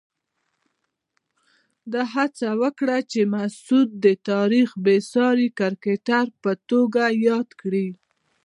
ده هڅه وکړه چې مسعود د تاریخ بېساري کرکټر په توګه یاد کړي.